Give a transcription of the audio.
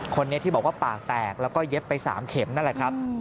คนนี้ที่บอกว่าปากแตกแล้วก็เย็บไป๓เข็มนั่นแหละครับ